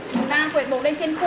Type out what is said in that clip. chúng ta quẹt bổ lên trên cuôn